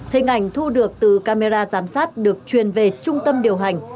hình ảnh thu được từ camera giám sát được truyền về trung tâm điều hành